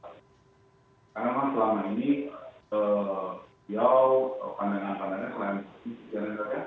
karena memang selama ini ya pandangan pandangan selain biar syafiee